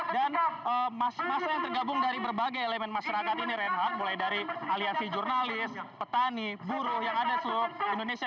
masa yang tergabung dari berbagai elemen masyarakat ini reinhardt mulai dari aliansi jurnalis petani buruh yang ada di seluruh indonesia